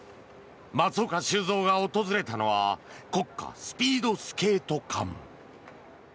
松岡修造が訪れたのは国家スピードスケート館。